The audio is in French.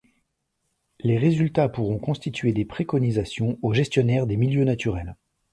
Les résultats pourront constituer des préconisations aux gestionnaires des milieux naturels.